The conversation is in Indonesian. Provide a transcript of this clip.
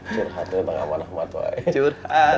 curhat itu sama anak matanya